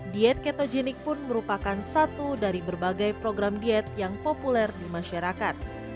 diet ketogenik pun merupakan satu dari berbagai program diet yang populer di masyarakat